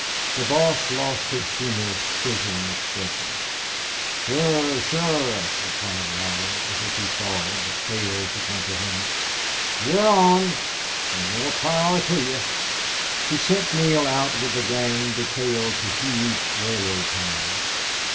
The boss lost his humorous, quizzing expression. "Shure shure," replied Reilly, as if he saw, but failed to comprehend. "Ye're on.... An' more power to ye!" He sent Neale out with the gang detailed to heave railroad ties.